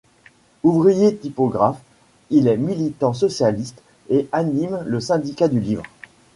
Ouvrier typographe, il est militant socialiste et anime le syndicat du Livre.